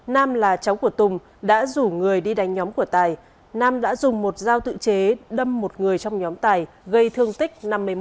nam là cháu của tùng đã rủ người đi đánh nhóm của tài nam đã dùng một dao tự chế đâm một người trong nhóm tài gây thương tích năm mươi một